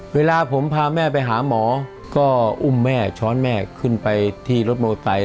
เวลาผมพาแม่ไปหาหมอก็อุ้มแม่ช้อนแม่ขึ้นไปที่รถมอเตอร์